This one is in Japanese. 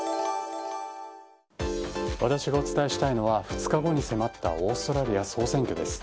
私がお伝えしたいのは２日後に迫ったオーストラリア総選挙です。